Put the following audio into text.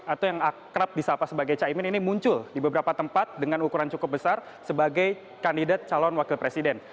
atau yang akrab di sapa sebagai caimin ini muncul di beberapa tempat dengan ukuran cukup besar sebagai kandidat calon wakil presiden